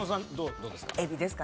どうですか？